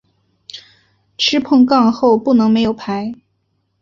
吃碰杠后不能没有牌。